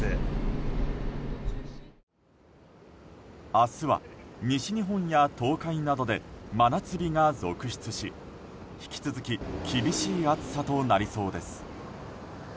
明日は、西日本や東海などで真夏日が続出し引き続き厳しい暑さとなりそうです。